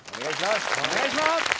お願いします。